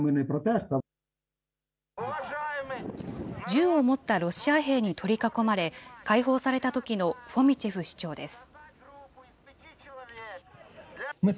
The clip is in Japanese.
銃を持ったロシア兵に取り囲まれ、解放されたときのフォミチェフ市長です。